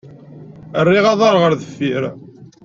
Rriɣ aḍar ɣer deffir.